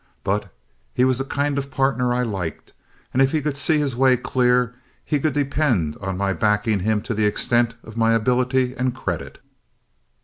But he was the kind of a partner I liked, and if he could see his way clear, he could depend on my backing him to the extent of my ability and credit.